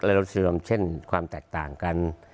และรักษีรวมเช่นความแตกต่างกัน